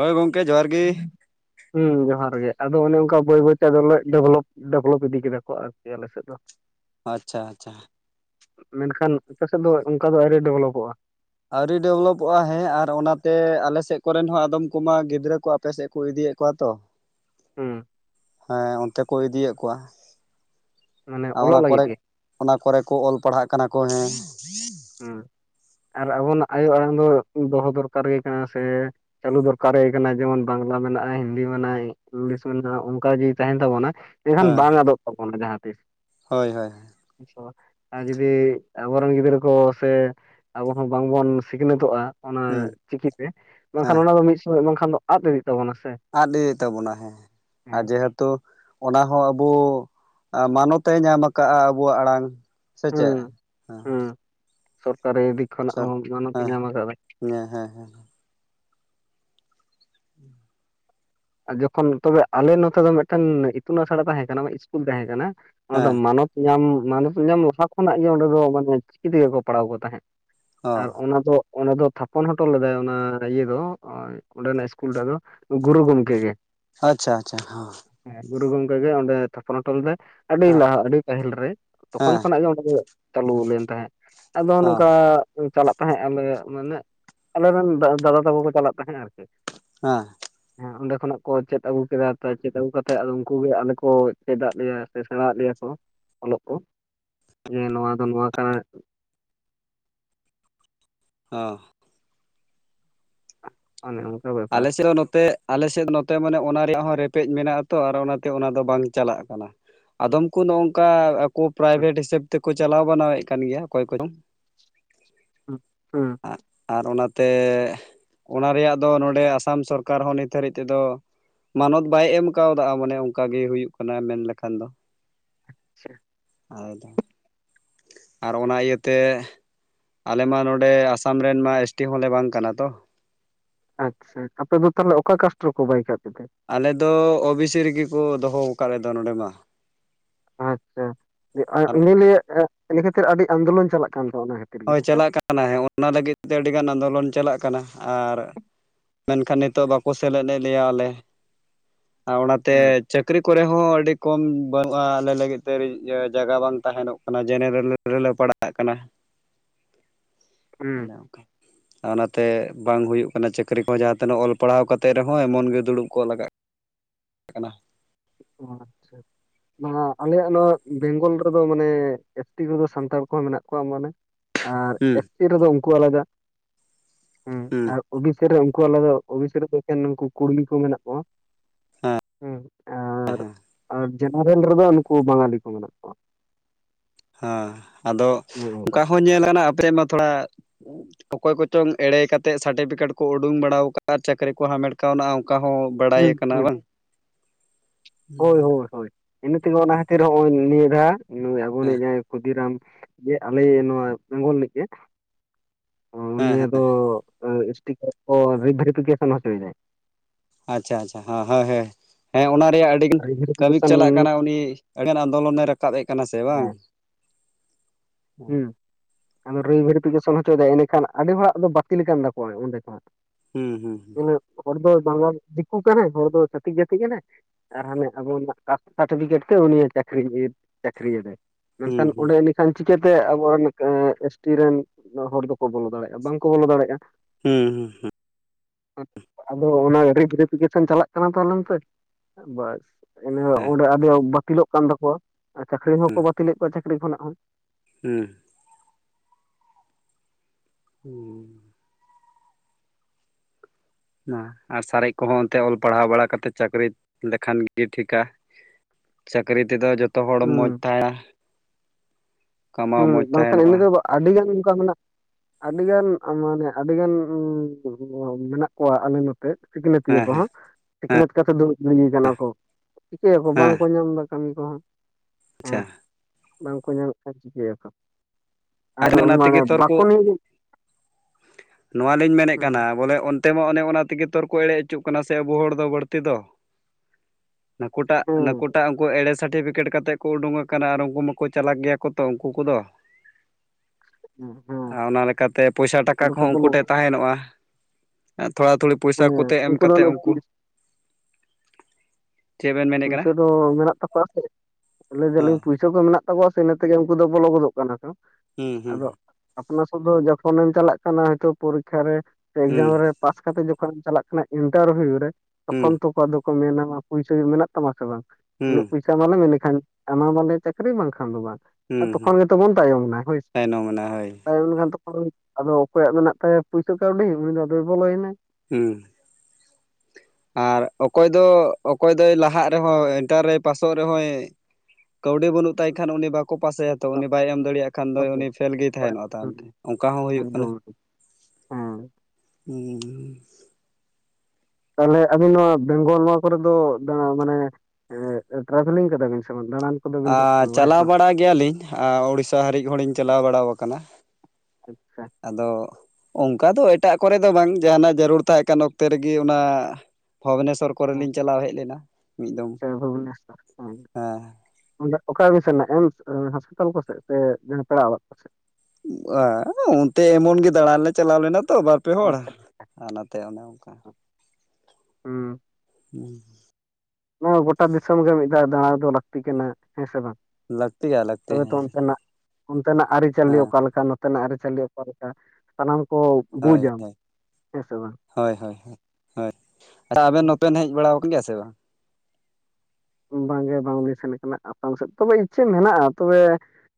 ᱦᱳᱭ ᱜᱚᱝᱠᱮ ᱡᱚᱦᱟᱨ ᱜᱤ ᱦᱩᱸ ᱡᱚᱦᱟᱨ ᱜᱮ ᱟᱫᱚ ᱚᱱᱮ ᱚᱱᱠᱟ ᱵᱟᱹᱭ ᱵᱟᱹᱭᱛᱮ ᱢᱮᱫ ᱰᱮᱵᱷᱞᱚᱯ ᱰᱮᱵᱷᱞᱚᱯ ᱤᱫᱤ ᱠᱮᱫᱟ ᱠᱚ ᱟᱨᱠᱤᱞᱮ ᱥᱮᱜ ᱫᱚ ᱟᱪᱪᱷᱟ ᱟᱪᱪᱷᱟ᱾ ᱢᱮᱱᱠᱷᱟᱱ ᱟᱯᱮᱥᱮᱫ ᱫᱚ ᱚᱱᱠᱟ ᱫᱚ ᱟᱨᱤ ᱰᱮᱵᱷᱞᱚᱯᱚᱜ-ᱟ᱾ ᱟᱹᱣᱨᱤ ᱰᱮᱵᱷᱞᱚᱯᱚᱜᱼᱟ ᱦᱮᱸ ᱟᱨ ᱚᱱᱟᱛᱮ ᱟᱞᱮ ᱥᱮᱜ ᱠᱚᱨᱮᱱ ᱦᱚᱸ ᱟᱫᱚᱢ ᱠᱚᱢᱟ ᱜᱤᱫᱽᱨᱟᱹ ᱠᱚ ᱟᱯᱮᱥᱮᱫ ᱠᱚ ᱤᱫᱤᱭᱮᱫ ᱠᱚᱣᱟ ᱛᱚ ᱦᱩᱸ ᱦᱮᱸ ᱚᱱᱛᱮ ᱠᱚ ᱤᱫᱤᱭᱮᱜ ᱠᱚᱣᱟ ᱢᱟᱱᱮ ᱟ ᱚᱞᱚᱜ ᱚᱱᱟ ᱞᱟᱹᱜᱤᱫ ᱠᱚᱨᱮᱜ ᱜᱮ ᱚᱱᱟ ᱠᱚᱨᱮ ᱠᱚ ᱚᱞ ᱯᱟᱲᱦᱟᱜ ᱠᱟᱱᱟ ᱠᱚ ᱦᱮᱸ [inaudible] ᱦᱩᱸ ᱟᱨ ᱟᱵᱚᱱᱟᱜ ᱟᱭᱳ ᱟᱲᱟᱝ ᱫᱚ ᱫᱚᱦᱚ ᱫᱚᱨᱠᱟᱨ ᱜᱮ ᱠᱟᱱᱟ ᱥᱮ ᱪᱟᱹᱞᱩ ᱫᱚᱨᱠᱟᱨ ᱜᱮ ᱠᱟᱱᱟ ᱡᱮᱢᱚᱱ ᱵᱟᱝᱞᱟ ᱢᱮᱱᱟᱜᱼᱟ, ᱦᱤᱱᱫᱤ ᱢᱮᱱᱟᱜᱼᱟ, ᱤᱝᱞᱤᱥ ᱢᱮᱱᱟᱜᱼᱟ ᱚᱱᱠᱟᱜᱮ ᱡᱩᱫᱤ ᱛᱟᱦᱮᱱ ᱛᱟᱵᱚᱱᱟ ᱱᱮ ᱦᱩᱞ ᱱᱠᱷᱟᱱ ᱦᱮᱸ ᱵᱟᱝ ᱟᱫᱚᱜ ᱛᱟᱵᱚᱱᱟ ᱡᱟᱦᱟᱸ ᱛᱤᱥ ᱦᱳᱭ ᱦᱳᱭ ᱟᱨ ᱡᱩᱫᱤ ᱟᱵᱚᱨᱮᱱ ᱜᱤᱫᱽᱨᱟᱹ ᱠᱚ ᱥᱮ ᱟᱵᱚ ᱦᱚᱸ ᱵᱟᱝ ᱵᱚᱱ ᱥᱤᱠᱷᱱᱟᱛᱚᱜᱼᱟ ᱚᱱᱟ ᱦᱩᱸ ᱪᱤᱠᱤᱛᱮ ᱦᱮᱸ ᱵᱟᱝᱠᱷᱟᱱ ᱚᱱᱟ ᱫᱚ ᱢᱤᱫ ᱥᱚᱢᱚᱭ ᱵᱟᱝᱠᱷᱟᱱ ᱫᱚ ᱟᱫ ᱤᱫᱤᱜ ᱛᱟᱵᱚᱱᱟ ᱥᱮ ᱟᱫ ᱤᱫᱤᱜᱽ ᱛᱟᱵᱚᱱᱟ ᱦᱮᱸ ᱟᱨ ᱦᱮᱸ ᱡᱮᱦᱮᱛ ᱛᱚ ᱚᱱᱟ ᱦᱚᱸ ᱟᱵᱚ ᱢᱟᱱᱚᱛᱮ ᱧᱟᱢ ᱠᱟᱜᱼᱟ ᱟᱵᱚᱣᱟᱜ ᱟᱲᱟᱝ᱾ ᱥᱮ ᱪᱮᱜ ᱦᱮᱸ ᱥᱚᱨᱠᱟᱨ ᱫᱤᱠ ᱠᱷᱚᱱᱟᱜ ᱥᱟᱨᱠ ᱦᱚᱸ ᱢᱟᱱᱚᱛᱮ ᱦᱮᱸ ᱧᱟᱢ ᱟᱠᱟᱫᱟ ᱦᱮᱸ ᱦᱮᱸ ᱦᱮᱸ ᱡᱚᱠᱷᱚᱱ ᱛᱚᱵᱮ ᱟᱞᱮ ᱱᱚᱛᱮ ᱫᱚ ᱢᱤᱫᱴᱮᱱ ᱤᱛᱩᱱ ᱟᱥᱲᱟ ᱛᱟᱦᱮᱸ ᱠᱟᱱᱟ ᱤᱥᱠᱩᱞ ᱛᱟᱦᱮᱸ ᱠᱟᱱᱟ ᱚᱱᱟ ᱫᱚ ᱦᱮᱸ ᱢᱟᱱᱚᱛ ᱧᱟᱢ ᱢᱟᱱᱚᱛ ᱧᱟᱢ ᱞᱟᱦᱟ ᱠᱷᱚᱱᱟᱜ ᱜᱮ ᱚᱸᱰᱮ ᱫᱚ ᱢᱟᱱᱮ ᱪᱤᱠᱤ ᱛᱮᱜᱮ ᱠᱚ ᱯᱟᱲᱟᱣ ᱠᱚ ᱛᱟᱦᱮᱸᱫ᱾ ᱚ ᱟᱨ ᱚᱱᱟ ᱫᱚ ᱚᱱᱰᱮ ᱫᱚ ᱛᱷᱟᱯᱚᱱ ᱦᱚᱴᱚ ᱞᱮᱫᱟᱭ ᱚᱱᱟ ᱤᱭᱟᱹ ᱫᱚ ᱚᱸᱰᱮᱱᱟᱜ ᱤᱥᱠᱩᱞ ᱨᱮ ᱫᱚ ᱜᱩᱨᱩ ᱜᱚᱢᱠ ᱴᱷᱤᱠ ᱜᱮᱭ-ᱟ ᱟᱪᱪᱷᱟ ᱟᱪᱪᱷᱟ ᱦᱚᱸ ᱦᱮᱸ ᱜᱩᱨᱩ ᱜᱚᱝᱠᱮ ᱜᱮ ᱚᱸᱰᱮ ᱛᱷᱟᱯᱚᱱ ᱦᱚᱴᱚ ᱞᱮᱫᱟᱭ ᱟᱹᱰᱤ ᱦᱮᱸ ᱞᱟᱦᱟ ᱟᱹᱰᱤ ᱯᱟᱹᱦᱤᱞ ᱨᱮ ᱛᱚᱠᱷᱚᱱ ᱦᱮᱸ ᱠᱷᱚᱱᱟᱜ ᱜᱮ ᱚᱸᱰᱮ ᱫᱚ ᱪᱟᱹᱞᱩ ᱞᱮᱱ ᱛᱟᱦᱮᱸᱫ᱾ ᱟᱫᱚ ᱦᱮᱸ ᱚᱱᱠᱟ ᱪᱟᱞᱟᱜ ᱛᱟᱦᱮᱸᱜ ᱟᱞᱮ ᱢᱟᱱᱮ ᱟᱞᱮᱨᱮᱱ ᱫᱟᱫᱟ ᱛᱟᱠᱚ ᱠᱚ ᱪᱟᱞᱟᱜ ᱛᱟᱦᱮᱸᱜ ᱟᱨᱠᱤ ᱟᱸᱻ ᱦᱮᱸ ᱚᱸᱰᱮ ᱠᱷᱚᱱᱟᱜ ᱠᱚ ᱪᱮᱫ ᱟᱹᱜᱩ ᱠᱮᱫᱟ ᱛᱟ ᱪᱮᱫ ᱟᱹᱜᱩ ᱠᱟᱛᱮ ᱟᱫᱚ ᱩᱱᱠᱩ ᱜᱮ ᱟᱞᱮ ᱠᱚ ᱪᱮᱫ ᱟᱫ ᱞᱮᱭᱟ ᱥᱮ ᱥᱮᱬᱟᱫ ᱞᱮᱭᱟ ᱠᱚ ᱚᱞᱚᱜ ᱠᱚᱦᱮᱸ ᱱᱚᱣᱟ ᱫᱚ ᱱᱚᱣᱟ ᱠᱟᱱᱟ᱾ ᱚᱻ ᱚᱱᱮ ᱚᱝᱠ ᱟᱞᱮᱥᱮᱜ ᱦᱚᱸ ᱱᱚᱛᱮᱜ ᱟᱞᱮᱥᱮᱫ ᱱᱚᱛᱮ ᱢᱟᱱᱮ ᱚᱱᱟ ᱨᱮᱭᱟᱜ ᱦᱚᱸ ᱨᱮᱯᱮᱡ ᱢᱮᱱᱟᱜ-ᱟ ᱛᱚ ᱟᱨ ᱚᱱᱟᱛᱮ ᱚᱱᱟ ᱫᱚ ᱵᱟᱝ ᱪᱟᱞᱟᱜ ᱠᱟᱱᱟ᱾ ᱟᱫᱚᱢ ᱠᱩ ᱱᱚᱝᱠᱟ ᱦᱮᱸ ᱠᱩ-ᱯᱨᱟᱭᱵᱷᱮᱴ ᱦᱤᱥᱟᱹᱵ ᱛᱮᱠᱚ ᱪᱟᱞᱟᱣ ᱵᱟᱱᱟᱣᱮᱫ ᱠᱟᱱ ᱜᱮᱭᱟ ᱚᱠᱚᱭ ᱠᱚᱫᱚ ᱦᱩᱸ ᱦᱩᱸ ᱟᱨ ᱚᱱᱟᱛᱮ ᱚᱱᱟ ᱨᱮᱭᱟᱜ ᱫᱚ ᱱᱚᱰᱮ ᱟᱥᱟᱢ ᱥᱚᱨᱠᱟᱨ ᱦᱚᱸ ᱱᱤᱛ ᱦᱟᱹᱨᱤᱡ ᱛᱮᱫᱚ, ᱢᱟᱱᱚᱛ ᱵᱟᱭ ᱮᱢ ᱠᱟᱣᱫᱟ ᱢᱟᱱᱮ ᱚᱱᱠᱟ ᱜᱮ ᱦᱩᱭᱩᱜ ᱠᱟᱱᱟ ᱢᱮᱱ ᱞᱮᱠᱷᱟᱱ ᱫᱚ᱾ ᱟᱪᱪᱷᱟ ᱟᱨᱫᱚ ᱟᱨ ᱚᱱᱟ ᱤᱭᱟᱹᱛᱮ ᱟᱞᱮ ᱢᱟ ᱱᱚᱸᱰᱮ ᱟᱥᱟᱢ ᱨᱮᱱ ᱢᱟ ᱮᱥ ᱴᱤ ᱦᱚᱸᱞᱮ ᱵᱟᱝ ᱠᱟᱱᱟ ᱛᱚ᱾ ᱟᱪᱪᱷᱟ ᱟᱯᱮ ᱫᱚ ᱛᱟᱦᱚᱞᱮ ᱚᱠᱟ ᱠᱟᱥᱴ ᱨᱮ ᱠᱚ ᱵᱟᱭ ᱠᱟᱜᱯᱮ ᱛᱮ, ᱟᱞᱮ ᱫᱚ ᱳᱵᱤ ᱥᱤ ᱨᱮᱜᱮ ᱠᱚ ᱫᱚᱦᱚ ᱟᱠᱟᱫ ᱞᱮᱫᱚ ᱱᱚᱰᱮ ᱢᱟ᱾ ᱟᱪᱪᱷᱟ ᱟᱨ ᱤᱱᱟᱹ ᱞᱮ ᱤᱱᱟᱹ ᱠᱷᱟᱹᱛᱤᱨ ᱟᱹᱰᱤ ᱟᱱᱫᱳᱞᱚᱱ ᱪᱟᱞᱟᱜ ᱠᱟᱱ ᱛᱟᱦᱮᱸ ᱱᱟ, ᱦᱳᱭ ᱪᱟᱞᱟᱜ ᱠᱟᱱᱟ ᱦᱮᱸ ᱚᱱᱟ ᱞᱟᱹᱜᱤᱫ ᱛᱮ ᱟᱹᱰᱤ ᱜᱟᱱ ᱟᱱᱫᱳᱞᱚᱱ ᱪᱟᱞᱟᱜ ᱠᱟᱱᱟ ᱟᱨ ᱢᱮᱱ ᱠᱷᱟᱱ ᱱᱤᱛᱚᱜ ᱵᱟᱠᱚ ᱥᱮᱞᱮᱫ ᱮᱫ ᱞᱮᱭᱟ ᱟᱞᱮ ᱟᱨ ᱚᱱᱟ ᱛᱮ ᱪᱟᱹᱠᱨᱤ ᱠᱚᱨᱮ ᱦᱚᱸ ᱟᱹᱰᱤ, ᱠᱚᱢ ᱵᱟᱹᱱᱩᱜᱼᱟ ᱟᱞᱮ ᱞᱟᱹᱜᱤᱫ ᱛᱮ ᱡᱟᱭᱜᱟ ᱵᱟᱝ ᱛᱟᱦᱮᱱᱚᱜ ᱠᱟᱱᱟ ᱡᱮᱱᱟᱨᱮᱞ ᱨᱮᱞᱮ ᱯᱟᱲᱟᱜ ᱠᱟᱱᱟ, [inaudible] [unintelligible] ᱚᱱᱟᱛᱮ ᱵᱟᱝ ᱦᱩᱭᱩᱜ ᱠᱟᱱᱟ ᱪᱟᱹᱠᱨᱤ ᱠᱚ ᱡᱟᱦᱟᱸ ᱛᱤᱱᱟᱹᱜ ᱚᱞ ᱯᱟᱲᱦᱟᱣ ᱠᱟ ᱠᱟᱛᱮᱫ ᱨᱮᱦᱚᱸ ᱮᱢᱚᱱ ᱜᱮ ᱫᱩᱲᱩᱵ ᱠᱚᱜ ᱞᱟᱜᱟᱜ ᱠᱟᱱᱟ ᱠᱟᱱᱟ, ᱚ ᱟᱪᱪᱷᱟ, ᱟᱞᱮᱭᱟᱜ ᱱᱚᱣᱟ ᱵᱮᱝᱜᱚᱞ ᱨᱮᱫᱚ ᱢᱟᱱᱮ ᱮᱥ ᱴᱤ ᱠᱚᱫᱟ ᱥᱟᱱᱛᱟᱲ ᱠᱚᱦᱚᱸ ᱢᱮᱱᱟᱜ ᱠᱚᱣᱟ ᱢᱟᱱᱮ, ᱟᱨ ᱦᱩᱸ ᱮᱥ ᱥᱤ ᱨᱮᱫᱚ ᱩᱱᱠᱩ ᱟᱞᱟᱫᱟ ᱦᱮᱸ ᱦᱩᱸ ᱟᱨ, ᱚᱵᱤ ᱥᱤ ᱨᱮ ᱩᱱᱠᱩ ᱟᱞᱟᱫᱟ ᱚᱵᱤᱥᱤ ᱨᱮᱫᱚ ᱮᱠᱮᱱ ᱩᱱᱠᱩ ᱠᱩᱲᱢᱤ ᱠᱚ ᱢᱮᱱᱟᱜ ᱠᱚᱣᱟ ᱦᱮᱸ᱾ ᱦᱮᱸ ᱟᱨ ᱡᱮᱱᱟᱨᱮᱞ ᱨᱮᱫᱚ ᱩᱱᱠᱩ ᱵᱟᱝᱟᱜᱟᱞᱤ ᱠᱚ, ᱢᱮᱱᱟᱜ ᱠᱚᱣᱟ ᱦᱮᱸ ᱟᱫᱚ ᱚᱱᱠᱟ ᱦᱚᱸ ᱧᱮᱞ ᱟᱠᱟᱱᱟ ᱟᱯᱮᱭᱟᱜ ᱢᱟ ᱛᱷᱚᱲᱟ, ᱚᱠᱚᱭ ᱠᱚᱪᱚᱝ ᱮᱲᱮ ᱠᱟᱛᱮᱫ ᱥᱟᱨᱴᱤᱯᱷᱤᱠᱮᱴ ᱠᱚ ᱩᱰᱩᱝ ᱵᱟᱲᱟ ᱟᱠᱟᱫᱼᱟ ᱪᱟᱹᱠᱨᱤ ᱠᱚ ᱦᱟᱢᱮᱴ ᱠᱟᱣᱱᱟ ᱚᱱᱠᱟ ᱦᱚᱸ ᱵᱟᱲᱟᱭ ᱦᱩᱸ ᱠᱟᱱᱟ ᱦᱩᱸ ᱵᱟᱝ, ᱦᱳᱭ ᱦᱩᱸ ᱦᱳᱭ ᱦᱳ ᱤᱱᱟᱹ ᱛᱮᱜᱮ ᱚᱱᱟ ᱠᱷᱟᱹᱛᱤᱨ ᱱᱚᱜ-ᱚᱭ ᱱᱤᱭᱟᱹ ᱫᱟ ᱱᱩᱭ ᱟᱵᱚ ᱦᱮᱸ ᱱᱤᱡ ᱡᱟᱦᱟᱸᱭ ᱠᱷᱩᱫᱤᱨᱟᱢ ᱟᱞᱮ ᱱᱚᱣᱟ ᱵᱮᱝᱜᱚᱞ ᱨᱤᱱᱤᱡ ᱜᱮ ᱩᱱᱤ ᱦᱮᱸ ᱦᱮᱸ ᱟᱫᱚ, ᱮᱥ ᱴᱤ ᱠᱟᱨᱰ ᱠᱚ ᱨᱤ-ᱵᱷᱮᱨᱤᱯᱷᱤᱠᱮᱥᱚᱱ ᱦᱚᱪᱚᱭᱮᱜ-ᱟᱭ, ᱟᱪᱪᱷᱟ ᱟᱪᱪᱷᱟ ᱦᱚᱸ ᱦᱮᱸ ᱦᱮᱸ ᱦᱮᱸ ᱚᱱᱟ ᱨᱮᱭᱟᱜ ᱟᱹᱰᱤ, ᱟᱹᱰᱤ ᱠᱟᱹᱢᱤ ᱨᱤᱵᱷᱮᱨᱤᱯᱷᱤᱠᱮᱥᱚᱱ ᱪᱟᱞᱟᱜ ᱠᱟᱱᱟ ᱩᱱᱤ ᱟᱹᱰᱤᱜᱟᱱ ᱟᱱᱫᱳᱞᱚᱱᱮ ᱨᱟᱠᱟᱵ ᱮ ᱠᱟᱱᱟ ᱥᱮ ᱵᱟᱝ, ᱦᱮᱸ ᱟᱫᱚ ᱨᱤ ᱵᱷᱮᱨᱤᱯᱷᱤᱠᱮᱥᱚᱱ ᱦᱚᱪᱚᱭᱮᱫᱟᱭ ᱮᱸᱰᱮᱠᱷᱟᱱ ᱟᱹᱰᱤ ᱦᱚᱲᱟᱜ ᱫᱚ ᱵᱟᱹᱛᱤᱞ ᱠᱟᱱᱟᱱ ᱛᱟᱠᱚᱣᱟ ᱚᱸᱰᱮ ᱠᱷᱚᱱᱟᱜ ᱾ ᱦᱩᱸ ᱦᱩᱸ ᱦᱩᱸ, ᱦᱚᱲ ᱫᱚ ᱵᱟᱝ ᱫᱤᱠᱩ ᱠᱟᱱᱟᱭ ᱦᱚᱲ ᱫᱚ ᱪᱷᱟᱹᱛᱤᱠ ᱡᱟᱹᱛᱤ ᱠᱟᱱᱟᱭ᱾ ᱟᱨ ᱦᱟᱱᱮ ᱟᱵᱚᱱᱟᱜ ᱠᱟᱥ ᱥᱟᱨᱴᱤᱯᱷᱤᱠᱮᱴ ᱛᱮ ᱩᱱᱤ ᱪᱟᱹᱠᱨᱤ ᱪᱟᱹᱠᱨᱤᱭᱫᱟᱭ ᱦᱩᱸ ᱢᱮᱱᱠᱷᱟᱱ ᱦᱩᱸ ᱚᱸᱰᱮᱼᱼ ᱪᱤᱠᱟᱹᱛᱮ ᱟᱵᱚᱨᱮᱱ ᱮᱥ ᱴᱤ ᱨᱮᱱ ᱦᱚᱲ ᱫᱚᱠᱚ ᱵᱚᱞᱚ ᱫᱟᱲᱮᱭᱟᱜᱼᱟ ᱵᱟᱝᱠᱚ ᱵᱚᱞᱚ ᱫᱟᱲᱮᱭᱟᱜᱼᱟ᱾ ᱦᱮᱸ ᱦᱮᱸ ᱦᱮᱸ᱾ ᱟᱫᱚ ᱚᱱᱟ ᱜᱮ ᱨᱤᱵᱷᱮᱨᱤᱯᱷᱤᱠᱮᱥᱚᱱ ᱪᱟᱞᱟᱜ ᱠᱟᱱᱟ ᱛᱚ ᱟᱞᱮ ᱚᱱᱛᱮ ᱵᱟᱥᱼᱼ ᱤᱱᱟ ᱦᱮᱸ ᱚᱸᱰᱮ ᱟ ᱵᱟᱹᱛᱤᱞᱚᱜ ᱠᱟᱱ ᱛᱟᱠᱚᱣᱟ ᱪᱟᱹᱠᱨᱤ ᱦᱚᱸᱠᱚ ᱵᱟᱹᱛᱤᱞᱮᱜ ᱠᱚᱣᱟ ᱪᱟᱹᱠᱨᱤ ᱠᱷᱚᱱᱟᱜ ᱦᱚᱸᱼᱼ ᱦᱩᱸ, ᱦᱩᱸ, ᱟᱨ ᱥᱟᱨᱮᱡ ᱠᱚᱦᱚᱸ ᱚᱱᱛᱮ ᱚᱞ ᱯᱟᱲᱦᱟᱣ ᱵᱟᱲᱟᱛᱮᱫ ᱪᱟᱹᱠᱨᱤ ᱞᱮᱠᱷᱟᱱ ᱜᱮ ᱴᱷᱤᱠ ᱟᱼᱼ ᱪᱟᱹᱠᱨᱤ ᱛᱮᱫᱚ ᱡᱚᱛᱚᱦ ᱦᱚᱲ ᱦᱩᱸ ᱢᱚᱸᱡᱽ ᱛᱟᱦᱮᱱᱟᱼᱼ ᱦᱮᱸ ᱵᱟᱝᱠᱷᱟᱱ ᱤᱱᱟ ᱛᱟᱦᱮᱱᱚᱜᱼᱟ ᱫᱚ ᱟᱹᱰᱤᱜᱟᱱ ᱚᱱᱠᱟ ᱢᱮᱱᱟᱜᱼᱟᱼᱼ ᱟᱹᱰᱤ ᱜᱟᱱ ᱢᱟᱱᱮ ᱟᱹᱰᱤ ᱜᱟᱱ ᱢᱮᱱᱟᱜ ᱠᱚᱣᱟ ᱟᱞᱮ ᱱᱚᱛᱮ᱾ ᱥᱤᱠᱷᱱᱟᱹᱛᱤᱭᱟᱹ ᱦᱮᱸ ᱦᱮᱸ ᱠᱚᱦᱚᱸ ᱥᱤᱠᱷᱱᱟᱹᱛ ᱠᱟᱛᱮ ᱫᱩᱲᱩᱵ ᱜᱤᱰᱤᱭᱟ ᱠᱟᱱᱟ ᱠᱚ ᱪᱤᱠᱟᱹᱭᱟᱠᱚ ᱦᱮᱸ ᱵᱟᱝᱠᱚ ᱧᱟᱢ ᱮᱫᱟ, ᱠᱟᱹᱢᱤ ᱠᱚᱦᱚᱸ᱾ ᱦᱮᱸ ᱟᱪᱪᱷᱟ᱾ ᱵᱟᱝᱠᱚ ᱧᱟᱢᱮᱫ ᱠᱷᱟᱱ ᱪᱤᱠᱟᱹᱭᱟ ᱠᱚ, [inaudible] ᱚᱱᱟ ᱛᱮᱜᱮ ᱛᱚᱨ ᱠᱚ ᱱᱚᱣᱟ ᱞᱤᱧ ᱢᱮᱱᱮᱫ ᱠᱟᱱᱟ ᱦᱮᱸ ᱵᱚᱞᱮᱼᱼ ᱛᱮᱢᱟ ᱚᱱᱮ ᱚᱱᱟ ᱛᱮᱜᱮ ᱛᱚᱨᱠᱚ ᱮᱲᱮ ᱦᱚᱪᱚᱜ ᱠᱟᱱᱟ ᱥᱮ ᱟᱵᱚ ᱦᱚᱲ ᱫᱚ ᱵᱟᱹᱲᱛᱤ ᱫᱚ᱾ ᱱᱩᱠᱩᱴᱟᱜ ᱦᱮᱸ ᱱᱩᱠᱩᱴᱟᱜ ᱩᱱᱠᱩ ᱮᱲᱮ ᱥᱟᱴᱤᱯᱷᱤᱠᱮᱴᱼ ᱠᱟᱛᱮ ᱠᱚ ᱩᱰᱩᱝ ᱟᱠᱟᱱᱟ ᱟᱨ ᱩᱱᱠᱩ ᱢᱟᱠᱚ ᱪᱟᱞᱟᱠ ᱜᱮᱭᱟ ᱠᱚ ᱛᱚ ᱩᱱᱠᱩ ᱠᱚᱫᱚ᱾ ᱦᱮᱸ ᱦᱮᱸ ᱚᱱᱟ ᱞᱮᱠᱟᱛᱮ ᱯᱚᱭᱥᱟ ᱴᱟᱠᱟ ᱟᱫᱚ ᱠᱚ ᱠᱚᱦᱚᱸ ᱩᱱᱠᱩ ᱵᱚᱞᱚ ᱴᱷᱮᱱ ᱛᱟᱦᱮᱱᱚᱜᱼᱟ ᱛᱷᱚᱲᱟ ᱛᱷᱩᱲᱤᱼᱼ ᱦᱮᱸ ᱯᱚᱭᱥᱟ ᱠᱚᱛᱮ ᱮᱢ ᱩᱱᱠᱩ ᱫᱚ ᱠᱟᱛᱮᱫ ᱚᱱᱮ ᱩᱱᱠᱩᱼᱼ ᱪᱮᱫ ᱵᱮᱱ ᱢᱮᱱᱮᱫ ᱠᱟᱱᱟ ᱯᱩᱭᱥᱟᱹ ᱫᱚ ᱢᱮᱱᱟᱜ ᱛᱟᱠᱚᱣᱟ ᱥᱮ ᱞᱟᱹᱭ ᱮᱫᱟᱞᱤᱧ ᱦᱮᱸ ᱯᱩᱭᱥᱟᱹ ᱯᱩᱭᱥᱟᱹ ᱠᱚ ᱢᱮᱱᱟᱜ ᱛᱟᱠᱚᱣᱟ ᱥᱮ ᱤᱱᱟ ᱛᱮᱜᱮ ᱩᱱᱠᱩ ᱫᱚ ᱵᱚᱞᱚ ᱜᱚᱫᱚᱜ ᱠᱟᱱᱟ ᱠᱚ᱾ ᱦᱩᱸ ᱦᱩᱸ᱾ ᱟᱯᱱᱟᱨ ᱥᱩᱫᱷᱩ ᱡᱚᱠᱷᱚᱱᱮᱢ ᱪᱟᱞᱟᱜ ᱠᱟᱱᱟ ᱦᱚᱭᱛᱚ ᱯᱚᱨᱤᱠᱠᱷᱟ ᱨᱮ ᱥᱮ ᱦᱩᱸ ᱮᱠᱡᱟᱢ ᱨᱮᱼᱼ ᱯᱟᱥ ᱠᱟᱛᱮ ᱡᱚᱠᱷᱚᱱᱮ ᱮᱢ ᱪᱟᱞᱟᱜ ᱠᱟᱱᱟ ᱤᱱᱴᱟᱨᱵᱷᱤᱭᱩ ᱨᱮ ᱦᱩᱸ ᱛᱚᱠᱷᱚᱱ ᱛᱚᱠᱚ ᱟᱫᱚᱠᱚ ᱢᱮᱱᱟ ᱯᱩᱭᱥᱟᱹ ᱢᱮᱱᱟᱜᱼᱼ ᱛᱟᱢᱟ ᱥᱮ ᱵᱟᱝ ᱦᱩᱸ ᱩᱱᱟᱹᱜ ᱯᱚᱭᱥᱟ ᱮᱢᱟᱞᱮᱢ ᱤᱱᱟᱠᱷᱟᱱ ᱮᱢᱟ ᱢᱟᱞᱮ ᱪᱟᱹᱠᱨᱤ ᱵᱟᱝ ᱠᱷᱟᱱ ᱫᱚ ᱵᱟᱝ, ᱦᱩᱸ ᱟᱨ ᱦᱩᱸ ᱛᱚᱠᱷᱚᱱ ᱜᱮᱛᱚ ᱵᱚᱱ ᱛᱟᱭᱚᱢ ᱮᱱᱟ ᱦᱚᱭ ᱛᱟᱭᱱᱚᱢ ᱮᱱᱟ ᱦᱳᱭ ᱛᱟᱭᱚᱢᱠᱷᱟᱱ ᱦᱚᱭ ᱟᱫᱚ ᱚᱠᱚᱭᱟᱜ ᱢᱮᱱᱟᱜ ᱛᱟᱭᱟ ᱯᱩᱭᱥᱟᱹ ᱠᱟᱹᱣᱰᱤ ᱩᱱᱤ ᱫᱚ ᱟᱫᱚᱭ ᱵᱚᱞᱚᱭᱮᱱᱟ ᱦᱩᱸ᱾ ᱟᱨ ᱚᱠᱚᱭ ᱫᱚ ᱚᱠᱚᱭ ᱫᱚᱭ ᱞᱟᱦᱟᱜ ᱨᱮᱦᱚᱸ ᱮᱱᱴᱟᱨ ᱨᱮᱭ ᱯᱟᱥᱚᱜ ᱨᱮᱦᱚᱸᱭᱼᱼ ᱠᱟᱹᱣᱰᱤ ᱵᱟᱹᱱᱩᱜ ᱛᱟᱭ ᱠᱷᱟᱱ ᱩᱱᱤ ᱵᱟᱠᱚ ᱯᱟᱥᱮᱭᱟᱼᱼ ᱛᱚ ᱩᱱᱤ ᱵᱟᱭ ᱮᱢ ᱫᱟᱲᱮᱭᱟᱜ ᱠᱷᱟᱱ ᱫᱚ ᱩᱱᱤ ᱯᱷᱮᱞ ᱜᱮᱭ ᱵᱟᱭ ᱛᱟᱦᱮᱱᱚᱜᱼᱟ ᱛᱟᱭᱚᱢ ᱦᱩᱸ, ᱛᱮ ᱚᱱᱠᱟ ᱦᱚᱸ ᱦᱩᱭᱩᱜ ᱠᱟᱱᱟ᱾ ᱮᱠᱫᱚᱢ ᱦᱮᱸ ᱦᱩᱸ ᱛᱟᱦᱚᱞᱮ ᱟᱵᱤᱱ ᱱᱚᱣᱟ ᱵᱮᱝᱜᱚᱞ ᱱᱚᱣᱟ ᱠᱚᱨᱮ ᱫᱚ ᱢᱟᱱᱮᱼᱼ ᱴᱨᱟᱵᱷᱮᱞᱤᱝ ᱟᱠᱟᱫᱟ ᱵᱤᱱ ᱥᱮ ᱵᱟᱝ ᱫᱟᱲᱟᱱ? ᱟ ᱪᱟᱞᱟᱣ ᱵᱟᱲᱟ ᱜᱮᱭᱟᱞᱤᱧ ᱩᱲᱤᱥᱟ ᱦᱟᱹᱨᱤᱡ ᱦᱚᱸᱞᱤᱧ ᱪᱟᱞᱟᱣ ᱵᱟᱲᱟ ᱟᱠᱟᱱᱟ᱾ ᱟᱪᱪᱷᱟ ᱟᱫᱚᱼᱼ ᱚᱱᱠᱟ ᱫᱚ ᱮᱴᱟᱜ ᱠᱚᱨᱮ ᱫᱚ ᱵᱟᱝ ᱡᱟᱦᱟᱱᱟᱜ ᱡᱟᱹᱨᱩᱲ ᱛᱟᱦᱮᱸ ᱠᱟᱱ ᱚᱠᱛᱮ ᱨᱮᱜᱮ ᱚᱱᱟᱼᱼ ᱵᱷᱩᱵᱽᱱᱮᱥᱚᱨ ᱠᱚᱨᱮ ᱦᱮᱸ ᱞᱤᱧ ᱪᱟᱞᱟᱣ ᱦᱮᱡ ᱞᱮᱱᱟ᱾ ᱢᱤᱫ ᱫᱚᱢ ᱥᱮ ᱵᱷᱩᱵᱽᱱᱮᱥᱚᱨ ᱦᱮᱸ [unintelligible] ᱚᱠᱟ ᱨᱮᱵᱤᱱ ᱥᱮᱱ ᱮᱱᱟ ᱮᱢᱥ ᱦᱚᱥᱯᱤᱛᱟᱞ ᱠᱚᱥᱮᱫ ᱥᱮ ᱯᱮᱲᱟ ᱚᱲᱟᱜ ᱠᱚᱥᱮᱫ? ᱵᱟᱝᱟ ᱚᱱᱛᱮ ᱮᱢᱚᱱ ᱜᱮ ᱫᱟᱬᱟᱱ ᱞᱮ ᱪᱟᱞᱟᱣ ᱞᱮᱱᱟ ᱛᱚᱼᱼ ᱯᱮ ᱦᱚᱲ ᱟᱨ ᱟᱪᱪᱷᱟ ᱚᱱᱟᱛᱮ ᱚᱱᱮ ᱚᱱᱠᱟ᱾ ᱦᱩᱸ ᱦᱩᱸ [unintelligible] ᱦᱚᱸ ᱜᱚᱴᱟ ᱫᱤᱥᱚᱢ ᱜᱮ ᱢᱤᱫ ᱫᱷᱟᱣ ᱫᱟᱬᱟ ᱫᱚ ᱞᱟᱹᱠᱛᱤ ᱠᱟᱱᱟ ᱦᱮᱸ ᱥᱮ ᱵᱟᱝ? ᱞᱟᱹᱠᱛᱤᱜᱼᱟ ᱞᱟᱹᱠᱛᱤ ᱛᱚᱵᱮ ᱛᱚ ᱦᱮᱸ ᱚᱱᱛᱮᱱᱟᱜ ᱚᱱᱛᱮᱱᱟᱜ ᱟᱹᱨᱤᱪᱟᱹᱞᱤ ᱦᱮᱸ ᱚᱠᱟᱞᱮᱠᱟᱼᱼ ᱚᱱᱛᱮᱱᱟᱜ ᱟᱹᱨᱤᱪᱟᱹᱞᱤ ᱚᱠᱟ ᱞᱮᱠᱟᱱᱟ ᱥᱟᱱᱟᱢ ᱠᱚ ᱵᱩᱡᱟᱢ ᱦᱮᱸ ᱥᱮ ᱵᱟᱝ? ᱦᱚᱭ ᱦᱚᱭ ᱦᱚᱭ, ᱦᱚᱭ ᱟᱨ ᱟᱹᱵᱤᱱ ᱱᱚᱛᱮ ᱵᱤᱱ ᱦᱮᱡ ᱵᱟᱲᱟᱣ ᱟᱠᱟᱱᱟ ᱜᱮᱭᱟ ᱥᱮ ᱵᱟᱝ? ᱵᱟᱝᱜᱮ ᱵᱟᱝᱞᱤᱧ ᱥᱮᱱ ᱟᱠᱟᱱᱟ ᱟᱥᱟᱢ ᱥᱮᱫ, ᱛᱚᱵᱮ ᱤᱪᱷᱟᱹ ᱢᱮᱱᱟᱜ-ᱟ ᱛᱚᱵᱮ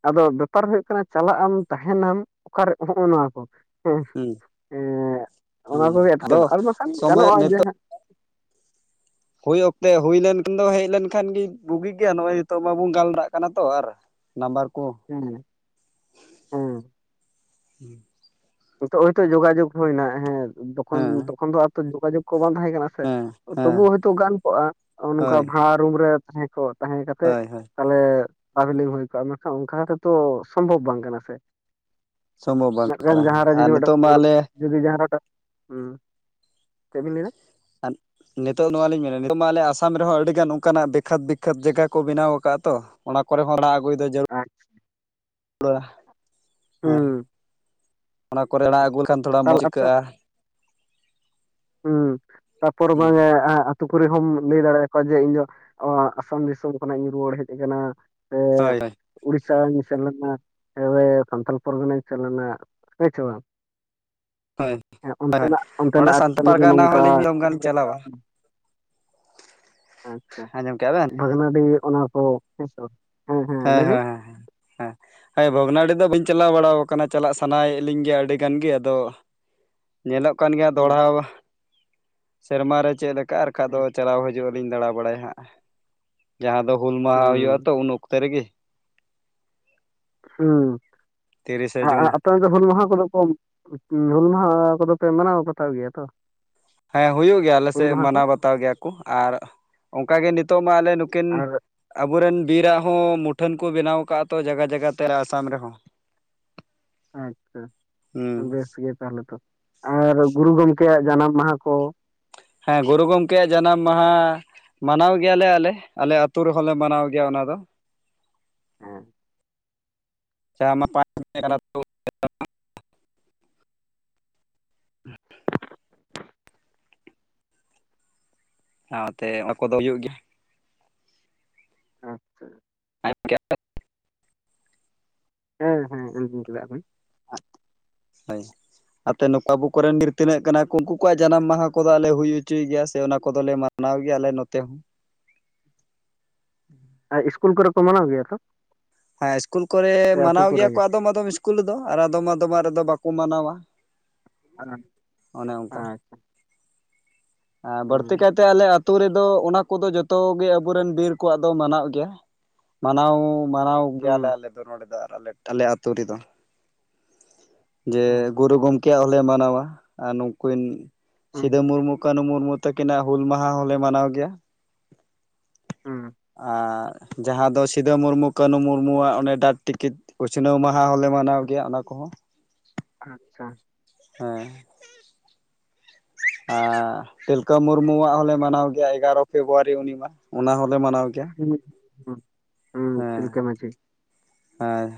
ᱟᱫᱚ ᱵᱮᱯᱟᱨ ᱦᱩᱭᱩᱜ ᱠᱟᱱᱟ ᱪᱟᱞᱟᱜ ᱟᱢ ᱛᱟᱦᱮᱱᱟᱢ ᱚᱠᱟ ᱨᱮ ᱦᱚᱜ-ᱚ ᱱᱚᱣᱟ ᱠᱚ ᱾ ᱦᱮᱸ ᱦᱩᱸ ᱮᱸᱻ ᱚᱱᱟ ᱦᱩᱸ ᱠᱚᱜᱮ ᱟᱫᱚ ᱮᱴᱠᱮᱴᱚᱬᱮ ᱟᱨ ᱵᱟᱝᱠᱷᱟᱱ ᱥᱚᱢᱚᱭ ᱜᱟᱱᱚᱜ-ᱟ ᱡᱟ ᱱᱤᱛᱚᱜ ᱦᱩᱭ ᱚᱠᱛᱮ ᱦᱩᱭ ᱞᱮᱱᱠᱷᱟᱱ ᱫᱚ ᱦᱮᱡ ᱞᱮᱱᱠᱷᱟᱱ ᱜᱮ ᱵᱩᱜᱤ ᱜᱮᱭᱟ, ᱱᱚᱜ-ᱚᱭ ᱱᱤᱛᱚᱜ ᱢᱟᱵᱚᱱ ᱜᱟᱞᱢᱟᱨᱟᱜ ᱠᱟᱱᱟ ᱛᱚ ᱟᱨ ᱱᱟᱢᱵᱟᱨ ᱠᱚ ᱦᱮᱸ [unintelligible] ᱦᱮᱸ ᱱᱤᱛᱚᱜ ᱦᱚᱭᱛᱚ ᱡᱚᱜᱟᱡᱚᱜᱽ ᱦᱩᱭᱮᱱᱟ ᱦᱮᱸ ᱛᱚᱠᱷᱚᱱ ᱦᱮᱸ ᱛᱚᱠᱷᱚᱱ ᱫᱚ ᱟᱨ ᱡᱚᱜᱟᱡᱚᱜᱽ ᱠᱚ ᱵᱟᱝ ᱛᱟᱦᱮᱸ ᱠᱟᱱᱟ ᱦᱮᱸ ᱾ ᱦᱮᱸ ᱛᱚᱵᱩ ᱦᱚᱭᱛᱚ ᱜᱟᱱ ᱠᱚᱜ-ᱟ ᱱᱚᱜ-ᱚᱭ ᱱᱚᱝᱠᱟ ᱦᱳᱭ ᱵᱷᱟᱲᱟ ᱨᱩᱢ ᱨᱮ ᱛᱟᱦᱮᱸ ᱠᱚ, ᱛᱟᱦᱮᱸ ᱠᱟᱛᱮᱫ‌ ᱦᱳᱭ ᱦᱳᱭ ᱛᱟᱦᱞᱮ ᱴᱨᱟᱵᱷᱮᱞᱤᱝ ᱦᱩᱭ ᱠᱚᱜ-ᱟ ᱢᱮᱱᱠᱷᱟᱱ ᱚᱱᱠᱟ ᱠᱟᱛᱮᱫ ᱛᱚ ᱥᱚᱢᱵᱷᱚᱵ ᱵᱟᱝ ᱠᱟᱱᱟ ᱥᱮ ᱾ ᱥᱚᱢᱵᱷᱚᱵ ᱵᱟᱝ ᱠᱟᱱᱟ ᱦᱮᱸ ᱾ [unintelligible] ᱦᱩᱸ, ᱪᱮᱫ ᱵᱤᱱ ᱞᱟᱹᱭᱫᱟ? [unintelligible] ᱱᱤᱛᱚᱜ ᱱᱚᱣᱟ ᱞᱤᱧ ᱢᱮᱱᱟ ᱱᱤᱛᱚᱜ ᱢᱟ ᱟᱞᱮ ᱟᱥᱟᱢ ᱨᱮᱦᱚᱸ ᱟᱹᱰᱤᱜᱟᱱ ᱚᱱᱠᱟᱱᱟᱜ ᱫᱤᱠᱷᱟᱹᱛ ᱫᱤᱠᱷᱟᱹᱛ ᱡᱟᱭᱜᱟ ᱠᱚ ᱵᱮᱱᱟᱣ ᱠᱟᱜ-ᱟ ᱛᱚ ᱾ ᱚᱱᱟ ᱠᱚᱨᱮ ᱦᱚᱸ ᱨᱟᱜ ᱟᱹᱜᱩᱭ ᱫᱚ ᱡᱟᱹᱨᱩᱲ ᱾ ᱟᱪᱪᱷᱟ ᱾ [unintelligible] ᱦᱮᱸ ᱦᱩᱸ ᱚᱱᱟ ᱠᱚᱨᱮ ᱟᱲᱟᱜ ᱟᱹᱜᱩ ᱞᱮᱠᱷᱟᱱ ᱛᱷᱚᱲᱟ ᱛᱟᱦᱚᱞᱮ ᱢᱚᱡᱽ ᱟᱯᱮ ᱟᱹᱭᱠᱟᱹᱜ-ᱟ ᱾ ᱦᱩᱸ ᱛᱟᱯᱚᱨ ᱦᱩᱸ ᱵᱟᱝ ᱮ ᱟ ᱟᱹᱛᱩ ᱠᱚᱨᱮ ᱦᱚᱢ ᱞᱟᱹᱭ ᱫᱟᱲᱮ ᱟᱠᱚᱣᱟ ᱡᱮ ᱤᱧᱫᱚ ᱟᱥᱟᱢ ᱫᱤᱥᱚᱢ ᱠᱷᱚᱱᱟᱜ ᱤᱧ ᱨᱩᱣᱟᱹᱲ ᱦᱮᱡ ᱟᱠᱟᱱᱟ ᱾ ᱦᱳᱭ ᱦᱳᱭ ᱾ ᱩᱲᱤᱥᱥᱟᱧ ᱥᱮᱱ ᱞᱮᱱᱟ ᱦᱮ ᱥᱟᱱᱛᱟᱞ ᱯᱚᱨᱜᱚᱱᱟᱧ ᱥᱮᱱ ᱞᱮᱱᱟ ᱦᱳᱭ ᱥᱮ ᱵᱟᱝ? ᱦᱳᱭ ᱦᱮᱸ ᱦᱳᱭ ᱚᱱᱛᱮᱱᱟᱜ ᱱᱚᱸᱰᱮ ᱚᱱᱛᱮᱱᱟᱜ ᱟᱹᱨᱤ ᱥᱟᱱᱛᱟ ᱯᱟᱨᱜᱟᱱᱟ ᱦᱚᱸᱞᱤᱧ [unintelligible] ᱪᱟᱞᱟᱣᱟ ᱾ ᱟᱪᱪᱷᱟ ᱟᱸᱡᱚᱢ ᱠᱮᱜᱼᱟ ᱵᱮᱱ ᱵᱷᱟᱜᱽᱱᱟᱹᱰᱤ ᱚᱱᱟ ᱠᱚ ᱦᱮᱸ ᱥᱮ ᱵᱟᱝ? ᱦᱮᱸ ᱦᱮᱸ ᱦᱮᱸ ᱦᱮᱸ ᱾ ᱦᱮᱸ, ᱦᱮᱸ ᱵᱷᱚᱜᱽᱱᱟᱰᱤ ᱫᱚ ᱵᱟᱹᱧ ᱪᱟᱞᱟᱣ ᱵᱟᱲᱟ ᱠᱟᱱᱟ ᱪᱟᱞᱟᱜ ᱥᱟᱱᱟᱭᱮᱫ ᱞᱤᱧ ᱜᱮᱭᱟ ᱟᱹᱰᱤ ᱜᱟᱱ ᱜᱮ ᱟᱫᱚ ᱧᱮᱞᱚᱜ ᱠᱟᱱ ᱜᱮᱭᱟ ᱫᱚᱲᱦᱟ ᱥᱮᱨᱢᱟ ᱨᱮ ᱪᱮᱫ ᱞᱮᱠᱟ ᱟᱨ ᱠᱷᱟᱡ ᱫᱚ ᱪᱟᱞᱟᱣ ᱦᱤᱡᱩᱜ ᱤᱧ ᱫᱟᱲᱟ ᱵᱟᱲᱟᱭ ᱦᱟᱸᱜ ᱡᱟᱦᱟᱸ ᱫᱚ ᱦᱩᱞ ᱢᱟᱦᱟ ᱦᱩᱭᱩᱜᱼᱟ ᱦᱩᱸ ᱛᱚ ᱩᱱ ᱚᱠ ᱥᱟᱹᱨᱤ ᱜᱮ ᱾ ᱦᱩᱸ ᱟ ᱟ ᱟᱯᱮ ᱚᱱ ᱛᱮ ᱦᱩᱞ ᱢᱟᱦᱟ ᱠᱚᱫᱚ ᱠᱚ ᱦᱩᱞ ᱢᱟᱦᱟ ᱠᱚᱫᱚ ᱯᱮ ᱢᱟᱱᱟᱣ ᱵᱟᱛᱟᱣ ᱜᱮᱭᱟ ᱛᱚ ᱾ ᱦᱮᱸ ᱦᱩᱭᱩᱜ ᱜᱮᱭᱟ ᱟᱞᱮ ᱥᱮᱫ ᱠᱚ ᱢᱟᱱᱟᱣ ᱵᱟᱛᱟᱣ ᱜᱮᱭᱟ ᱠᱚ ᱟᱨ ᱚᱱᱠᱟ ᱜᱮ ᱱᱤᱛᱚᱜ ᱢᱟ ᱟᱞᱮ ᱱᱩᱠᱤᱱ ᱟᱨ ᱟᱵᱚ ᱨᱮᱱ ᱵᱤᱨᱟᱜ ᱦᱚᱸ ᱢᱩᱴᱷᱟᱹᱱ ᱠᱚ ᱵᱮᱱᱟᱣ ᱟᱠᱟᱫᱼᱟ ᱛᱚ ᱡᱟᱜᱟ ᱡᱟᱭᱜᱟ ᱛᱮ ᱟᱥᱟᱢ ᱨᱮᱦᱚᱸ ᱾ ᱟᱪᱪᱷᱟ ᱦᱩᱸ ᱵᱮᱥ ᱜᱮ ᱛᱟᱦᱚᱞᱮ ᱛᱚ ᱟᱨ ᱜᱩᱨᱩ ᱜᱚᱢᱠᱮᱭᱟᱜ ᱡᱟᱱᱟᱢ ᱢᱟᱦᱟ ᱠᱚ ᱾ ᱦᱮᱸ ᱜᱩᱨᱩ ᱜᱚᱢᱠᱮᱭᱟᱜ ᱡᱟᱱᱟᱢ ᱢᱟᱦᱟ ᱢᱟᱱᱟᱣ ᱜᱮᱭᱟᱞᱮ ᱟᱞᱮ, ᱟᱞᱮ ᱟᱹᱛᱩ ᱨᱮᱦᱚᱸ ᱞᱮ ᱢᱟᱱᱟᱣ ᱜᱮᱭᱟ ᱚᱱᱟ ᱫᱚ ᱾ ᱦᱮᱸ ᱾ [unintelligible] ᱥᱟᱶᱛᱮ ᱚᱱᱟ ᱠᱚᱫᱚ ᱦᱩᱭᱩᱜ ᱜᱮᱭᱟ ᱾ ᱟᱪᱪᱷᱟ ᱾ [unintelligible] ᱦᱮᱸ ᱦᱮᱸ ᱮᱠᱫᱚᱢ ᱪᱮᱫᱟᱜ ᱵᱟᱝ ᱾ [unintelligible] ᱦᱳᱭ ᱾ ᱟᱯᱮ ᱱᱚᱠᱟ ᱟᱵᱩ ᱠᱚᱨᱮᱱ ᱵᱤᱨ ᱛᱤᱱᱟᱹᱜ ᱠᱟᱱᱟ ᱠᱚ ᱩᱱᱠᱩ ᱠᱚᱣᱟᱜ ᱡᱟᱱᱟᱢ ᱢᱟᱦᱟ ᱠᱚᱫᱚ ᱟᱞᱮ ᱦᱩᱭ ᱦᱚᱪᱚᱭ ᱜᱮᱭᱟ ᱥᱮ ᱚᱱᱟ ᱠᱚᱫᱚᱞᱮ ᱢᱟᱱᱟ ᱢᱟᱱᱟᱣ ᱜᱮᱭᱟ ᱟᱞᱮ ᱱᱚᱛᱮ ᱦᱚᱸ ᱾ ᱟᱨ ᱤᱥᱠᱩᱞ ᱠᱚᱨᱮ ᱠᱚ ᱢᱟᱱᱟᱣ ᱜᱮᱭᱟ ᱛᱚ? ᱦᱮᱸ ᱤᱥᱠᱩᱞ ᱠᱚᱨᱮ ᱥᱮ ᱟᱹᱛᱩ ᱢᱟᱱᱟᱣ ᱠᱚᱨᱮ ᱜᱮᱭᱟ ᱠᱚ ᱜᱮ ᱟᱫᱚᱢ ᱟᱫᱚᱢ ᱤᱥᱠᱩᱞ ᱨᱮᱫᱚ, ᱟᱨ ᱟᱫᱚᱢ ᱟᱫᱚᱢᱟᱜ ᱨᱮᱫᱚ ᱵᱟᱠᱚ ᱢᱟᱱᱟᱣᱟ ᱾ ᱟᱸ ᱟᱪ ᱟᱸ ᱵᱟᱹᱲᱛᱤ ᱦᱩᱸ ᱠᱟᱭᱛᱮ ᱟᱞᱮ ᱟ ᱛᱩ ᱨᱮᱫᱚ ᱚᱱᱟ ᱠᱚᱫᱚ ᱡᱚᱛᱚ ᱜᱮ ᱟᱵᱚ ᱨᱮᱱ ᱵᱤᱨ ᱠᱚᱣᱟᱜ ᱫᱚ ᱢᱟᱱᱟᱣ ᱜᱮᱭᱟ, ᱢᱟᱱᱟᱣ ᱢᱟᱱᱟᱣ ᱜᱮᱭᱟᱞᱮ ᱦᱩᱸ ᱟᱞᱮ ᱫᱚ ᱱᱚᱰᱮ ᱫᱚ ᱟᱨ ᱟᱞᱮ ᱟᱞᱮ ᱟᱛᱩ ᱨᱮᱫᱚ᱾ ᱡᱮ ᱟᱪᱪᱷᱟ ᱜᱩᱨᱩ ᱜᱚᱝᱠᱮᱭᱟᱜ ᱦᱚᱸᱞᱮ ᱢᱟᱱᱟᱣᱟ, ᱟᱨ ᱱᱩᱠᱤᱱ ᱦᱩᱸ ᱥᱤᱫᱚ ᱢᱩᱨᱢᱩ, ᱠᱟᱹᱱᱩ ᱢᱩᱨᱢᱩ ᱛᱟᱹᱠᱤᱱᱟᱜ ᱦᱩᱞ ᱢᱟᱦᱟ ᱦᱚᱸᱞᱮ ᱢᱟᱱᱟᱣ ᱜᱮᱭᱟ᱾ ᱦᱩᱸ ᱟᱸᱻ ᱡᱟᱦᱟᱸ ᱫᱚ ᱥᱤᱫᱚ ᱢᱩᱨᱢᱩ, ᱠᱟᱹᱱᱩ ᱢᱩᱨᱢᱩᱣᱟᱜ ᱚᱱᱮ ᱰᱟᱠ ᱴᱤᱠᱤᱴ, ᱩᱪᱷᱱᱟᱹᱣ ᱢᱟᱦᱟ ᱦᱚᱸᱞᱮ ᱢᱟᱱᱟᱣ ᱜᱮᱭᱟ, ᱚᱱᱟ ᱠᱚᱦᱚᱸ᱾ ᱟᱪᱪᱷᱟ᱾ ᱦᱮᱸ᱾ ᱟᱸᱻ ᱛᱤᱞᱠᱟᱹ ᱢᱩᱨᱢᱩᱣᱟᱜ ᱦᱚᱸᱞᱮ ᱢᱟᱱᱟᱣ ᱜᱮᱭᱟ ᱮᱜᱟᱨᱚ ᱯᱷᱮᱵᱽᱨᱩᱣᱟᱨᱤ ᱩᱱᱤ ᱢᱟ, ᱚᱱᱟ ᱦᱚᱸᱞᱮ ᱢᱟᱱᱟᱣ ᱜᱮᱭᱟ᱾ [inaudible] ᱦᱩᱸ ᱦᱮᱸ ᱛᱤᱞᱠᱟᱹ ᱢᱟᱡᱷᱤ, ᱦᱮᱸ,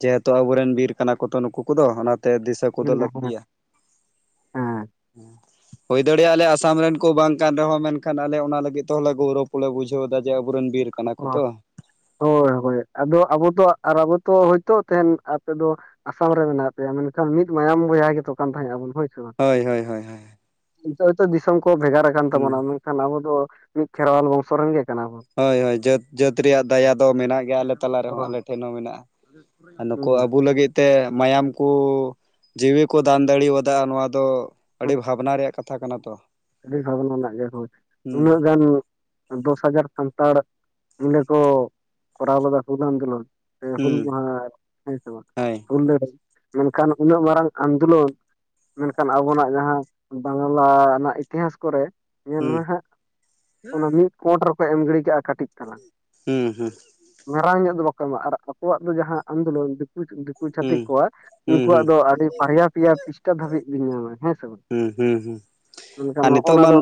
ᱡᱮᱦᱮᱛᱩ ᱟᱵᱚ ᱨᱮᱱ ᱵᱤᱨ ᱠᱟᱱᱟ ᱠᱚ ᱛᱚ ᱱᱩᱠᱩ ᱠᱚᱫᱚ ᱚᱱᱟᱛᱮ ᱫᱤᱥᱟᱹ ᱠᱚᱫᱚ ᱦᱮᱸ ᱦᱮᱸ ᱞᱟᱹᱠᱛᱤᱭᱟ᱾ ᱦᱮᱸ᱾ ᱦᱩ᱾ᱸ ᱦᱳᱭ ᱫᱟᱲᱮᱭᱟᱜᱼᱟ ᱟᱞᱮ ᱟᱥᱟᱢ ᱨᱮᱱ ᱠᱚ ᱵᱟᱝ ᱠᱟᱱ ᱨᱮᱦᱚᱸ ᱢᱮᱱᱠᱷᱟᱱ ᱟᱞᱮ ᱚᱱᱟ ᱞᱟᱹᱜᱤᱫ ᱛᱮ ᱦᱚᱸᱞᱮ ᱜᱳᱣᱨᱚᱵ ᱠᱚᱞᱮ ᱵᱩᱡᱷᱟᱹᱣᱫᱟ, ᱡᱮ ᱟᱵᱩ ᱨᱮᱱ ᱵᱤᱨ ᱠᱟᱱᱟ ᱠᱚ ᱛᱚ᱾ ᱦᱳᱭ ᱦᱳᱭ ᱦᱳᱭ, ᱟᱫᱚ ᱟᱵᱚ ᱫᱚ ᱟᱨ ᱟᱵᱚ ᱛᱚ ᱦᱳᱭᱛᱚ ᱛᱮᱦᱮᱧ ᱟᱯᱮ ᱫᱚ ᱟᱥᱟᱢ ᱨᱮ ᱢᱮᱱᱟᱜ ᱯᱮᱭᱟ ᱢᱮᱱᱠᱷᱟᱱ ᱢᱤᱫ ᱢᱟᱭᱟᱢ ᱵᱚᱭᱦᱟ ᱜᱮ ᱛᱚ ᱠᱟᱱ ᱛᱟᱦᱮᱸᱜ ᱟᱵᱚᱱ ᱦᱳᱭ ᱥᱮ ᱵᱟᱝ ᱦᱳᱭ ᱦᱳᱭ ᱦᱳᱭ ᱦᱳᱭ᱾ ᱱᱤᱛᱚᱜ ᱦᱳᱭᱛᱚ ᱫᱤᱥᱚᱢ ᱠᱚ ᱵᱷᱮᱜᱟᱨ ᱟᱠᱟᱱ ᱛᱟᱵᱚᱱᱟ ᱢᱮᱱᱠᱷᱟᱱ ᱟᱵᱚ ᱫᱚ ᱢᱤᱫ ᱠᱷᱮᱨᱣᱟᱞ ᱵᱚᱝᱥᱚ ᱨᱮᱱ ᱜᱮ ᱠᱟᱱᱟᱵᱚ᱾ ᱦᱳᱭ ᱦᱳᱭ, ᱡᱟᱹᱛ, ᱡᱟᱹᱛ ᱨᱮᱭᱟᱜ ᱫᱟᱭᱟ ᱫᱚ ᱢᱮᱱᱟᱜ ᱜᱮᱭᱟ ᱟᱞᱮ ᱛᱟᱞᱟ ᱨᱮᱦᱚᱸ ᱦᱳᱭ ᱟᱞᱮ ᱴᱷᱮᱱ ᱦᱚᱸ ᱢᱮᱱᱟᱜᱼᱟ᱾ ᱟᱨ ᱱᱩᱠᱩ ᱦᱩᱸ ᱟᱵᱩ ᱞᱟᱹᱜᱤᱫ ᱛᱮ ᱢᱟᱭᱟᱢ ᱠᱚ, ᱡᱤᱣᱤ ᱠᱚ ᱫᱟᱱ ᱫᱟᱲᱮᱣᱟᱫᱟ ᱱᱚᱣᱟ ᱫᱚ ᱟᱹᱰᱤ ᱦᱩᱸ, ᱵᱷᱟᱵᱽᱱᱟ ᱨᱮᱭᱟᱜ ᱠᱟ ᱛᱷᱟ ᱠᱟᱱᱟ ᱛᱚ᱾ ᱟᱹᱰᱤ ᱵᱷᱟᱵᱽᱱᱟ ᱨᱮᱱᱟᱜ ᱜᱮ ᱦᱳᱭ, ᱦᱩᱸ ᱩᱱᱟᱹᱜ ᱜᱟᱱ ᱫᱚᱥ ᱦᱟᱡᱟᱨ ᱥᱟᱱᱛᱟᱲ ᱢᱤᱞᱮ ᱠᱚ ᱠᱚᱨᱟᱣ ᱞᱮᱫᱟ ᱠᱚ ᱚᱱᱟ ᱟᱱᱫᱚᱞᱚᱱ᱾ ᱦᱮᱸ, ᱦᱩᱞ ᱦᱩᱸ ᱢᱟᱦᱟ ᱦᱮᱸ ᱥᱮ ᱵᱟᱝ? ᱦᱳᱭ ᱦᱩᱞ ᱞᱟᱹᱲᱦᱟᱹᱭ, ᱢᱮᱱᱠᱷᱟᱱ ᱩᱱᱟᱹᱜ ᱢᱟᱨᱟᱝ ᱟᱱᱫᱳᱞᱚᱱ, ᱢᱮᱱᱠᱷᱟᱱ ᱟᱵᱚᱱᱟᱜ ᱡᱟᱦᱟᱸ ᱵᱟᱝᱞᱟ ᱨᱮᱱᱟᱜ ᱤᱛᱤᱦᱟᱸᱥ ᱠᱚᱨᱮ, ᱧᱮᱞ ᱦᱩᱸ ᱢᱮ ᱦᱟᱸᱜ, ᱚᱱᱟ ᱢᱤᱫ ᱯᱳᱸᱴ ᱨᱮᱠᱚ ᱮᱢ ᱜᱤᱰᱤ ᱠᱟᱜᱼᱟ ᱠᱟᱹᱴᱤᱡ ᱛᱟᱞᱟᱝ᱾ ᱦᱩᱸ ᱦᱩᱸ᱾ ᱢᱟᱨᱟᱝ ᱧᱚᱜ ᱫᱚ ᱵᱟᱠᱚ ᱮᱢᱟ ᱟᱨ ᱟᱠᱚᱣᱟᱜ ᱫᱚ ᱡᱟᱦᱟᱸ ᱟᱱᱫᱳᱞᱚᱱ ᱫᱤᱠᱩ ᱫᱤ ᱠᱩ ᱦᱩᱸ ᱪᱷᱟᱹᱛᱤᱠ ᱠᱚᱣᱟ, ᱦᱩᱸ ᱩᱱᱠᱩᱣᱟᱜ ᱦᱩᱸ ᱫᱚ ᱟᱹᱰᱤ ᱵᱟᱨᱭᱟ, ᱯᱤᱭᱟ ᱯᱤᱥᱴᱟ ᱫᱷᱟᱹᱵᱤᱡ ᱵᱤᱱ ᱧᱟᱢᱟ ᱦᱮᱸ ᱥᱮ ᱵᱟᱝ? ᱦᱩᱸ ᱦᱩᱸ ᱦᱩᱸ, ᱢᱮᱱᱠᱷᱟᱱ ᱟᱨ ᱱᱚᱜᱼᱚ ᱱᱤᱛᱚᱜ ᱱᱟ ᱢᱟᱱ ᱫᱚ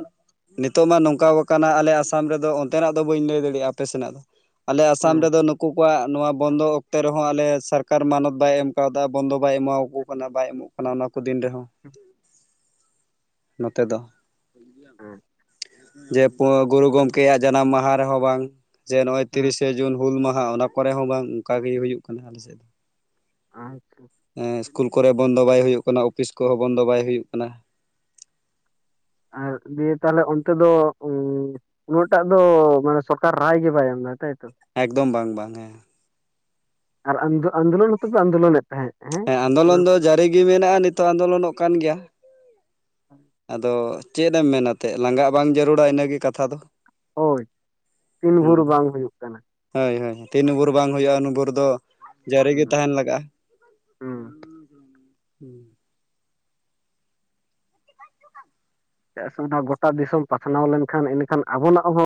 ᱱᱤᱛᱚᱜ ᱢᱟ ᱱᱚᱝᱠᱟᱣ ᱟᱠᱟᱱᱟ ᱟᱞᱮ ᱟᱥᱟᱢ ᱨᱮᱫᱚ ᱚᱱᱛᱮᱱᱟᱜ ᱫᱚ ᱵᱟᱹᱧ ᱞᱟᱹᱭ ᱫᱟᱲᱮᱭᱟᱜᱼᱟ ᱟᱯᱮ ᱥᱮᱱᱟᱜ ᱫᱚ, ᱟᱞᱮ ᱟᱥᱟᱢ ᱦᱮᱸ ᱨᱮᱫᱚ ᱱᱩᱠᱩ ᱟᱠᱚᱣᱟᱜ ᱱᱚᱣᱟ ᱵᱚᱱᱫᱚ ᱚᱠᱛᱮ ᱨᱮᱦᱚᱸ ᱟᱞᱮ ᱥᱟᱨᱠᱟᱨ ᱢᱟᱱᱚᱛ ᱵᱟᱭ ᱮᱢ ᱠᱟᱣᱫᱟ, ᱵᱚᱱᱫᱚ ᱵᱟᱭ ᱮᱢᱟᱣ ᱠᱚ ᱠᱟᱱᱟ ᱵᱟᱭ ᱮᱢᱚᱜ ᱠᱟᱱᱟ, ᱚᱱᱟ ᱠᱚ ᱫᱤᱱ ᱨᱮᱦᱚᱸ᱾ ᱱᱚᱛᱮ ᱫᱚ᱾ ᱟᱪᱪᱷᱟ᱾ ᱡᱮ ᱜᱩᱨᱩ ᱜᱚᱝᱠᱮᱭᱟᱜ ᱡᱟᱱᱟᱢ ᱢᱟᱦᱟ ᱨᱮᱦᱚᱸ ᱵᱟᱝ, ᱡᱮ ᱱᱚᱜᱼᱚᱭ ᱦᱮᱸ ᱛᱤᱨᱤᱥᱮ ᱡᱩᱱ ᱦᱩᱞ ᱢᱟᱦᱟ ᱚᱱᱟ ᱠᱚᱨᱮ ᱦᱚᱸ ᱵᱟᱝ, ᱚᱱᱠᱟ ᱜᱮ ᱦᱩᱭᱩᱜ ᱠᱟᱱᱟ ᱟᱞᱮ ᱥᱮᱫ ᱫᱚ᱾ ᱟᱪᱪᱷᱟ᱾ ᱮᱸ ᱤᱥᱠᱩᱞ ᱠᱚᱨᱮ ᱵᱚᱱᱫᱚ ᱵᱟᱭ ᱦᱩᱭᱩᱜ ᱠᱟᱱᱟ, ᱚᱯᱷᱤᱥ ᱠᱚᱦᱚᱸ ᱵᱚᱱᱫᱚ ᱵᱟᱭ ᱦᱩᱭᱩᱜ ᱠᱟᱱᱟ᱾ ᱟᱨ ᱫᱤᱭᱮ ᱛᱟᱦᱚᱞᱮ ᱚᱱᱛᱮ ᱫᱚ ᱩᱸᱻ ᱩᱱᱟᱹᱜᱴᱟᱜ ᱫᱚ ᱢᱟᱱᱮ ᱥᱚᱨᱠᱟᱨ ᱨᱟᱭ ᱜᱮ ᱵᱟᱭ ᱮᱢ ᱫᱟ ᱛᱟᱭᱛᱚ? ᱮᱠᱫᱚᱢ ᱵᱟᱝ ᱵᱟᱝ ᱦᱮᱸ᱾ ᱟᱨ ᱟᱱᱫᱚ ᱟᱱᱫᱳᱞᱚᱱ ᱦᱚᱸᱛᱚ ᱯᱮ ᱟᱱᱫᱳᱞᱚᱱᱮᱫ ᱛᱟᱦᱮᱸᱫ᱾ ᱦᱮᱸ ᱚᱱᱟ ᱟᱱᱫᱳᱞᱚᱱ ᱫᱚ ᱠᱚᱫᱚ? ᱡᱟᱹᱨᱤ ᱜᱮ ᱢᱮᱱᱟᱜᱼᱟ ᱱᱤᱛᱚᱜ ᱟᱱᱫᱳᱞᱚᱱᱚᱜ ᱠᱟᱱ ᱜᱮᱭᱟ᱾ ᱟᱫᱚ ᱪᱮᱫ ᱮᱢ ᱢᱮᱱᱟ ᱛᱮ ᱞᱟᱸᱜᱟᱜ ᱵᱟᱝ ᱡᱟᱹᱨᱩᱲᱟ ᱤᱱᱟᱹᱜ ᱜᱮ ᱠᱟᱛᱷᱟ ᱫᱚ, ᱦᱳᱭ ᱛᱤᱱ ᱵᱷᱳᱨ ᱦᱩᱸ ᱵᱟᱝ ᱦᱩᱭᱩᱜ ᱠᱟᱱᱟ ᱦᱳᱭ ᱦᱳᱭ ᱛᱤᱱ ᱵᱷᱳᱨ ᱵᱟᱝ ᱦᱩᱭᱩᱜᱼᱟ ᱩᱱᱵᱷᱳᱨ ᱫᱚ ᱡᱟᱹᱨᱤ ᱜᱮ ᱦᱩᱸ ᱛᱟᱦᱮᱸᱱ ᱞᱟᱜᱟᱜᱼᱟ ᱦᱩᱸ ᱦᱩᱸ ᱦᱩᱸ ᱪᱮᱫᱟᱜ ᱥᱮ ᱚᱱᱟ ᱜᱚᱴᱟ ᱫᱤᱥᱚᱢ ᱯᱟᱥᱱᱟᱣ ᱞᱮᱱᱠᱷᱟᱱ ᱮᱱᱠᱷᱟᱱ ᱟᱵᱚᱱᱟᱜ ᱦᱚᱸ ᱵᱚ